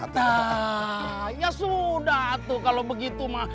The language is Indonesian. tah ya sudah tuh kalau begitu mah